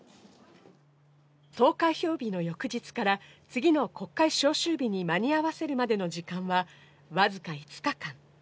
投開票日の翌日から次の国会召集日に間に合わせるための時間は、わずか５日間。